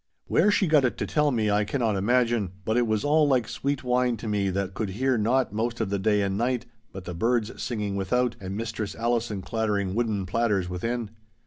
Where she got it to tell me I cannot imagine, but it was all like sweet wine to me that could hear naught most of the day and night, but the birds singing without and Mistress Allison clattering wooden platters within.